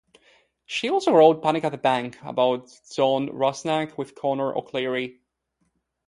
She also co-wrote "Panic At The Bank" about John Rusnak, with Conor O'Clery.